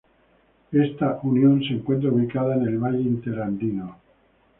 Esta unión se encuentra ubicada en el valle interandino.